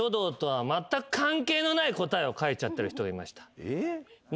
書いちゃってる人がいました。